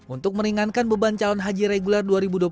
untuk meringankan beban calon haji reguler dua ribu dua puluh